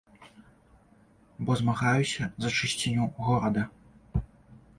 Бо змагаюся за чысціню горада.